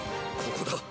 ここだ。